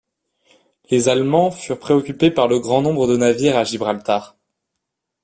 Les Allemands furent préoccupés par le grand nombre de navires à Gibraltar.